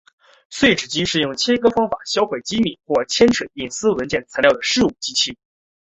碎纸机是用切割方法销毁机密或者牵涉隐私文件材料的事务机器。